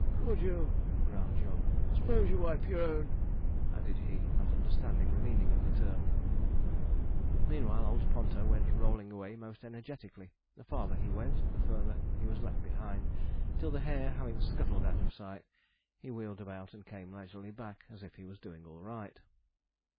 'Could you?' growled Jog; ''spose you wipe your own,' added he, not understanding the meaning of the term. Meanwhile, old Ponto went rolling away most energetically, the farther he went the farther he was left behind, till the hare having scuttled out of sight, he wheeled about and came leisurely back, as if he was doing all right.